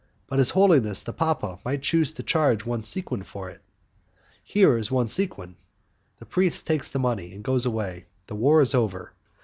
"But his holiness, the papa, might choose to charge one sequin for it." "Here is one sequin." The priest takes the money and goes away: war is over.